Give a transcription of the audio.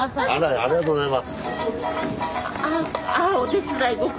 ありがとうございます。